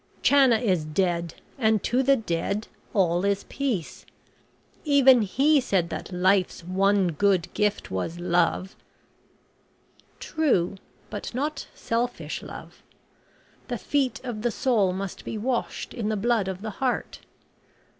"Channa is dead, and to the dead all is peace. Even he said that Life's one good gift was Love." "True, but not selfish love. `The feet of the soul must be washed in the blood of the heart.'